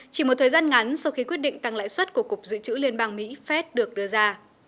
chỉ một thời gian ngắn sau khi quyết định tăng lãi suất của cục dự trữ liên bang mỹ phép được đưa ra